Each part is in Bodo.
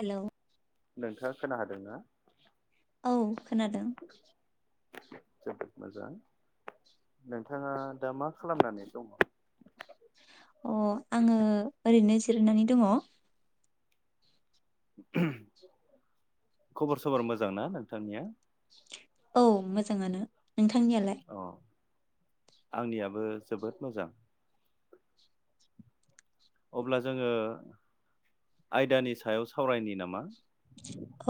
हेल' नोंथाङा खोनाहैदोंना औ खोनादों [inaudible] अ आङो ओरैनो जिरायनानै दङ खबर सबर मोजां ना नोंथांनिया औ मोजाङानो नोंथांनियालाय अ आंनियाबो जोबोद मोजां अब्ला जोङो आयदानि सायाव सावरायनि नामा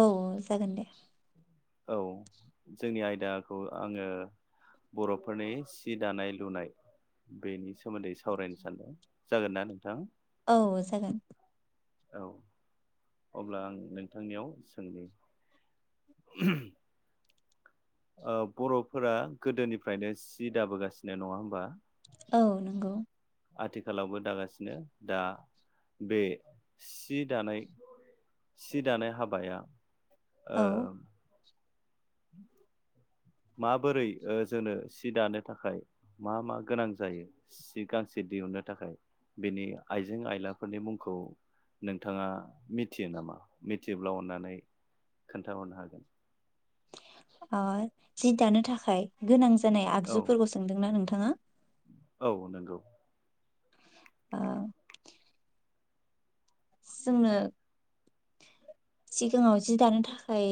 औ औ जागोन दे औ जोंनि आयदाखौ आङो बर'फोरनि सि दानाय लुनाय बेनि सोमोन्दै सावरायनो सानदों जागोन नना नोंथां औ जागोन औ अब्ला आं नोंथांनियाव सोंदि बर'फोरा गोदोनिफ्रायनो जि दाबोगासिनो नङा होमबा औ नंगौ आथिखालावबो दागासिनो दा बे सि दानाय सि दानाय हाबाया औ ओ माबोरै जोंनो सि दानो थाखाय मा मा गोनां जायो सि गांसे दिहुननो थाखाय बेनि आइजें आयलाफोरनि मुंखौ नोंथाङा मिथियो नामा मिथिोब्ल' अनानै खोन्थाहरनो हागोन जि दानो थाखाय गोनां जानाय औ आगजुफोरखौ सोंदोंना नोंथां थाङा औ नंगौ अ जोंनो सिगाङाव जि दानो थाखाय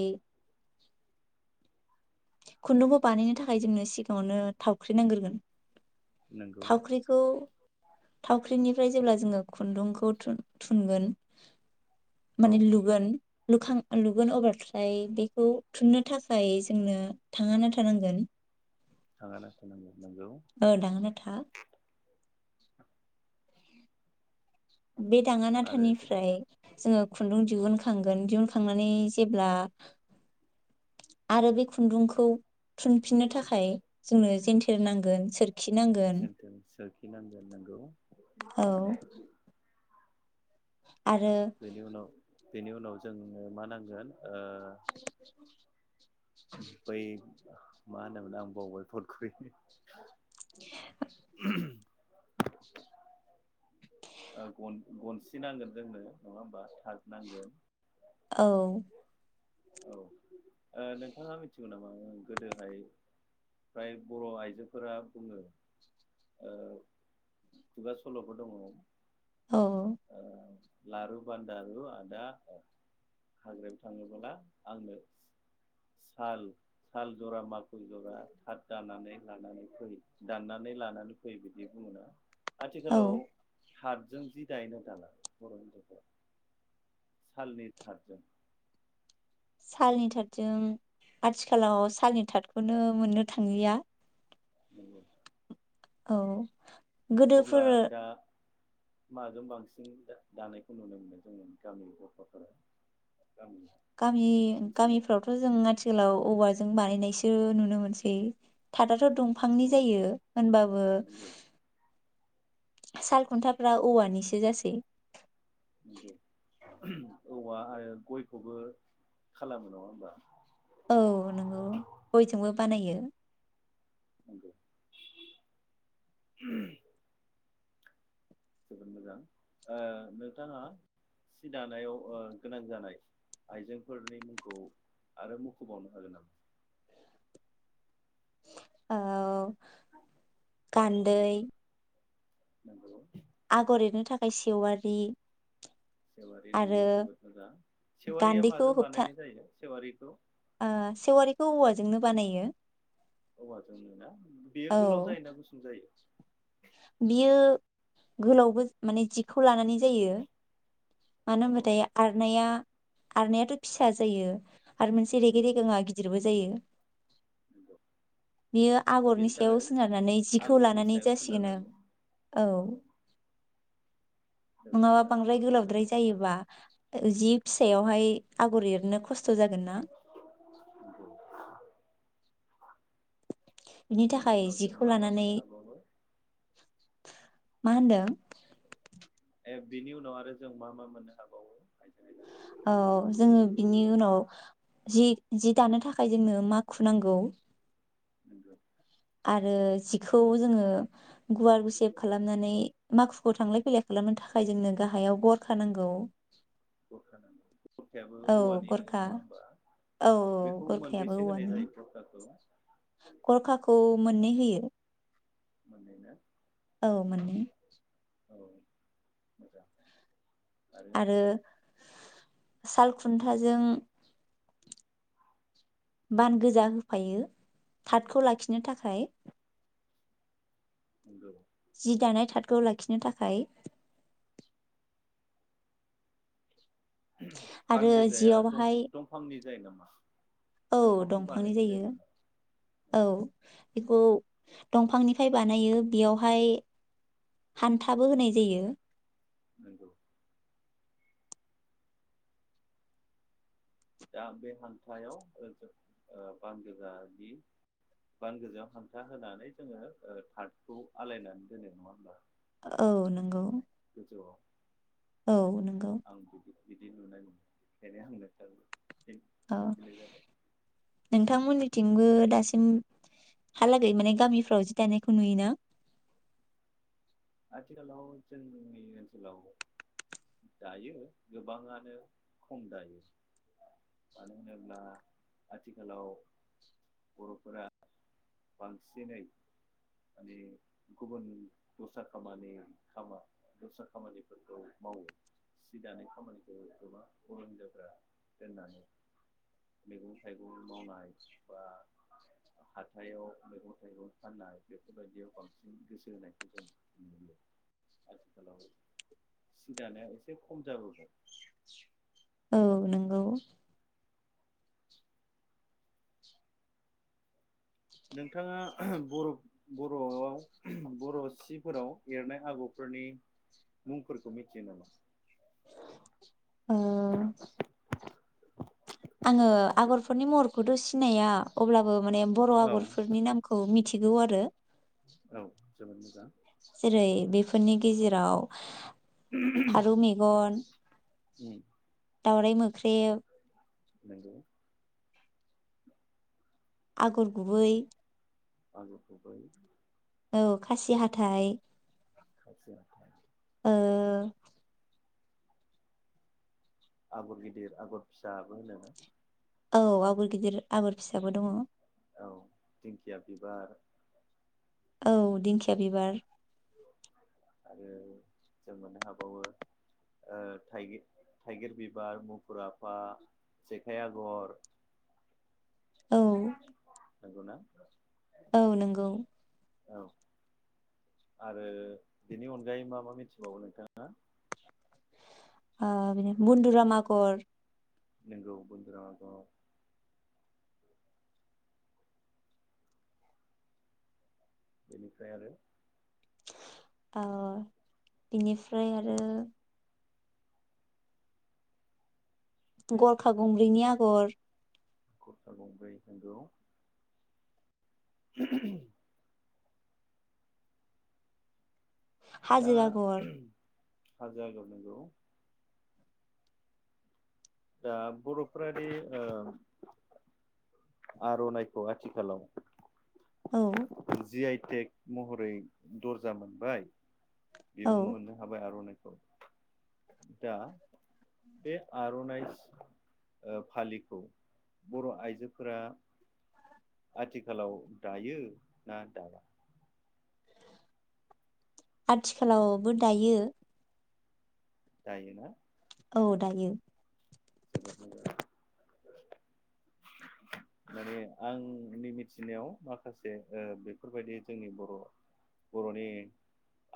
खुन्दुंखौ बानायनो थाखाय जोंनो सिगाङावनो थावख्रि नांगोरगोन नंगौ थावख्रिखौ थावख्रिनिफ्राय जेब्ला जोङो खुन्दुंखौ थुन थुनगोन औ माने लुगोन लुखां लुगोन अब्लाथाय बेखौ थुननो थाखाय जोंनो थाङा नाथा नांगोन थाङानाथा नांगोन औ दाङानाथा बे दाङानाथा आरो निफ्राय जोङो खुन्दुं दिहुनखांगोन दिहुनखांनानै जेब्ला आरो बे खुन्दुंखौ थुनफिननो थाखाय जोंनो जेनथे नांगोन सोर जेनथेन सोरखिनांगोन नोंगौ। औ [inaudible] आरो बेनि उनाव बेनि उनाव जोंनो मा नांगोन ओह [inaudible] बै मा होनोमोन आं बावबाय [unintelligible] [inaudible] [inaudible] [inaudible] ओ गन गनसि नांगोन जोंनो नङा होमबा थार नांगोन। औ। औ ओ नोंथाङा मिथिगौ नामा गोदोहाय फ्राय बर' आइजोफोरा बुङो ओ खुगा सल'फोर दङ। औ [inaudible] लारु बान्दारु आदा हाग्रायाव थाङोबोला आंनो सा साल साल जरा माखुर जरा थाथ दानानै लानानै फै दाननानै लानानै फै बिदि बुङोना? औ आथिखालाव तातजों जि दायो ना दाला बर' हिनजावफोरा सालनि थादजों सालनि थाथजों आथिखालाव सालनि थाथखौनो मोननो थांलिया। नंगौ। औ। अब्ला गोदोफोर दा माजों बांसिन दानायखौ नुनो मोनो जोङो गामि गफाफोराव? गामि गामिफ्रावथ' जों आथिखालाव औवाजों बानायनायसो नुनो मोनसै थाद दंफांनि औ जायो होनबाबो नंगौ साल खुन्थाफ्रा औवानिसो जासै। नंगौ औवा आरो गयखौबो खालामो नङा होमबा? औ नोंगौ गयजोंबो बानायो। नंगौ जोबोद मोजां ओ नोंथाङा सि दानायाव ओ गोनां जानाय आइजेंफोरनि मुंखौ आरो मुंख'बावनो हागोन नामा? औ। गान्दै। नंगौ। आगर एरनो थाखाय सेवारि। सेवारि आरो नोंगौ जोबोद मोजां सेवारिया गान्दैखौ माजों होबथा बानायनाय जायो? सेवारिखौ ओ सेवारिखौ औवाजोंनो बानायो औवाजोंनोना बेयो गोलाव औ जायोना गुसुं जायो? बियो गोलावबो माने जिखौ लानानै जायो मानो अ होनबाथाय आर'नाया आर'ननायाथ' फिसा जायो आरो मोनसे रेगे नंगौ रेगोङआ गिदिरबो जायो। नंगौ बेयो आगरनि बेनि सायाव थाखाय सोनारनानै जिखौ आगरनि लानानै सायाव थिगैनो सोनारनानै औ नङाबा जोबोद मोजां बांद्राय गोलावद्राय आरो जायोबा जि जि फिसायावहाय आगर एरनो खस्थ' जागोन ना? बिनि बेनि थाखाय उनाव जों जिखौ मा मा लानानै मोननो हाबावो मा होनदों? ए बिनि उनाव आरो जों मा मा मोननो हाबावो आइजें आइला औ जोङो बिनि उनाव जि जि दानो थाखाय जोंनो माखु नांगौ। नोंगौ आरो जिखौ जोङो गुवार गुसेब खालामनानै माखुखौ थांलाय फै खालामनो थाखाय जोंनो गाहायाव गट होनांगौ [unintelligible] औ औवानिनो गरखा नङा होमबा औ औ बेखौ गरखायाबो मोनबेसे होनाय औवानि जायो गरखाखौ गरखाखौ मोननै होयो। मोननैना? औ मोननै। औ मोजां आरो साल खुन्थाजों बान गोजा होफायो थाथखौ लाखिनो थाखाय। नोंगौ जि दानाय थादखौ लाखिनो थाखाय। आरो बान गोजाया जियावहाय दंफांनि जायो नामा औ दंफांखौ दंफांनि बानायनाय जायो नामा? औ बेखौ दंफांनिफ्राय बानायो बेयावहाय हान्थाबो होनाय जायो। नोंगौ दा बे हांथा आव ओ बान गोजानि बान गोजायाव हांथा होनानै जोङो ओ थार्दखौ आलायनानै दोननाय नङा होमबा? औ नोंगौ। गोजौआव औ नंगौ आं बिदि बिदि नुनाय मोनो ओंखायनो आं नोंथांखौ फिन औ सोंफिननाय जाबाय नोंथांमोननि थिंबो दासिमहाालागै माने गामिफ्राव जि दानायखौ नुयोना? आथिखालाव जोंनि ओनसोलाव दायो गोबाङानो खम दायो मानो होनोब्ला आथिखालाव बरफोरा बांसिनै माने गुबुन दस्रा खामानि खामा दस्रा खामानिफोरखौ मावो सि दानाय खामानिखौ गोबां हिनजावफ्रा दोननानै मैगं थाइगं मावनाय बा हाथायाइाव मैगं थाइगं फाननाय बेफोरबायदियाव बांसिन गोसो होनायखौ जों नुयो आथिखालाव सिदानाया एसे खम जाबोबाय। औ नोंगौ नोंथाङा बर बरआव बर सिफोराव एरनाय आगरफोरनि मुंफोरखौ मिथियो नामा? ओ आङो आगरफोरनि महरखौथ सिनाया अब्लाबो। माने बर औ आगरफोरनि नामखौ मिथि गौ आरो औ जोबोद मोजां। जेरै बेफोरनि गेजेराव फारौ मेगन उम दाावराइ मोख्रे नोंगौ आगर गुबै आगर गुबै औ खासि हाथथाय आतसा ओ आगर गिदिर आगर फिसाबो होनोना औ आगर गिदिर आगर फिसाबो दङ। औ दिंखिया बिबार औ दिंखिया बिबार। आरो जों मोननो हाबावो ओ थाइगिर बिबार मुफुर आफा जेखाइ आगर औ [inaudible] [unintelligible] औ नंगौ औ आरो बेनि अनगायै मा-मा मिथिबावो नोंथाङा आ बिनि बन्दुराम आगर नोंगौ बन्दुराम आगर इनिफ्राय आरो ओ इनिफ्राय आरो गरखा गंब्रैनि आगर गर्खा गंब्रै नंगौ दा हाजो आगर उम हाजो आगर नोंगौ दा बर'फादि ओ आर'नाइखौ आथिखालाव औ। जि आइ टेक महरै दर्जा मोनबाय बिमुं औ मोननो हाबाय आर'नाइ खौ दा बे आर'नाइ ओ फालिखौ बर' आइजोफोरा आथिखालाव दायो ना दाला? आथिखालावबो दायो। दायो ना? औ दायो। जोबोद मोजां माने आंनि मिथिनायाव माखासे ओ बेफोरबायदि जोंनि बर' बर'नि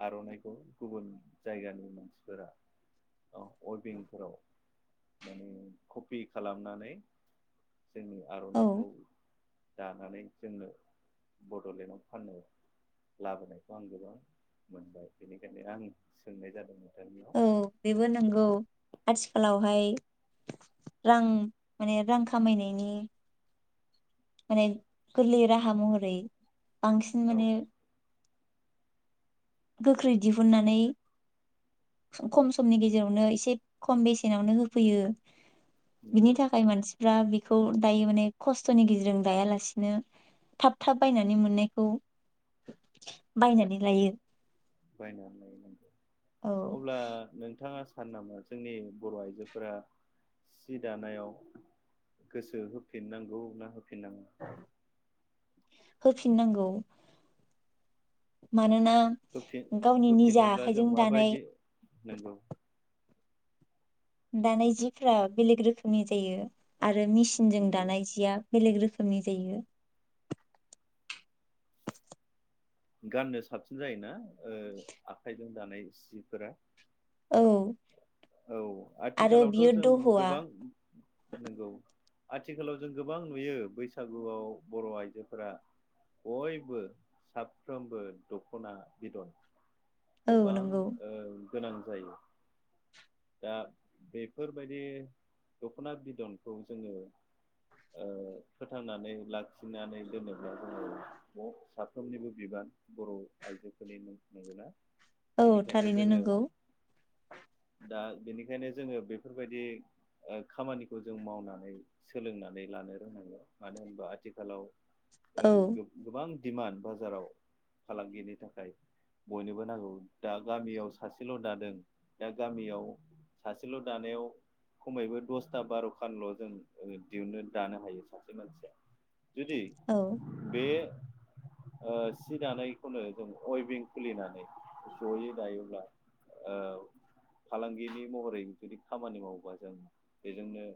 आर'नाइखौ गुबुन जायगानि मानसिफोरा औ अइबिंफोराव माने कपि खालामनानै जोंनि औ आर'नाइखौ दानानै जोंनो बड'लेण्डआव फाननो लाबोनायखौ आं गोबां मोनबाय बेनिखायनो आं सोंनाय जादोंमोन। औ बेबो नंगौ। आथिखालावहाय रां माने रां खामायनायनि माने गोरलै राहा महरै बांसिन औ माने गोख्रै दिहुननानै खम समनि गेजेरावनो एसे खम बेसेनावनो होफैयो बिनि नंगौ थाखाय मानसिफ्रा बि खौ दायो माने खस्थ'नि गेजेरजों दायालासेनो थाब थाब बायनानै मोननायखौ बायनानै लायो। बायनानै लायो। औ अब्ला नोंथाङा सानो नामा जोंनि बर' आइजोफोरा सि दानायाव गोसो होफिननांगौ ना होफिननां होफिननांगौ। माने ना होफिन गावनि निजा आखाइजों दानाय नोंगौ। दानाय जिफ्रा बेलेग रोखोमनि जायो आर रो मिसिनजों नंगौ दानाय जिया बेलेग रोख खोमनि जायो। गाननो साबसिन जायोना ओ आखाइजों दानाय सिफोरा। औ औ आरो आथिखालावथ' बियो जों दह'आ गोबां नोंगौ। आथिखालाव जों गोबां नुयो बैसागुआव बर' आइजोफोरा बयबो साब फ्रोमबो दख'ना बिदन औ गोबां नंगौ ओ गोनां जायो। दा बेफोरबायदि दख'ना बिदनखौ जोङो ओ फोथांनानै लाखिनानै दोनोब्ला जोङो सब साफ्रोमनिबो बिबान बर' आइजोफोरनिनो नंगौ ना? औ थारैनो नोंगौ। दा बेनिखायनो जोङो बेफोरबायदि ओ खामानिखौ जों मावनानै सोलोंनानै लानो रोंनांगौ मानो होनबा आथिखालाव। औ गो-गोबां दिमान बाजाराव फालांगिनि थाखाय बयनोबो नांगौ दा गामियाव सासेल' दादों दाग गामियाव सासेल' दानायाव खमोयबो दसथा बार'खानल' जों ओ दिहुननो दानो हायो सासे मानसिया। जुदि औ बे ओ सि दानायखौनो जों अयभिं खुलिनानै जयै दायोब्ला ओ फालांगिनि महरै जुदि खामानि मावोबा जों बेजोंनो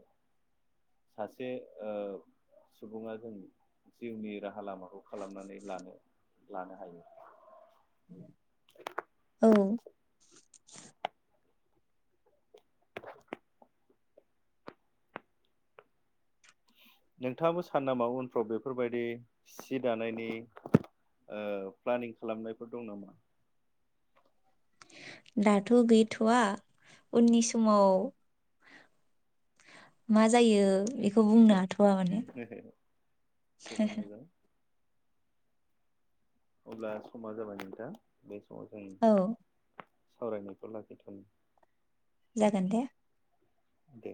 सासे ओ सुबुङा जों जिउनि राहा लामाखौ खालामनानै लानो लानो हायो। औ [inaudible] नोंथाङाबो सानो नामा उनफ्राव बेफोरबायदि सि दानायनि ओ प्लानिं खालामनायफोर दं नामा? दाथ' गैथ'वा उननि समाव मा जायो बेखौ बुंनो हाथ' वा माने। जोबोद मोजां अब्ला समा जाबाय बिदिब्ला औ। सावरायनायखौ लाखिथ' जागोन दे। दे।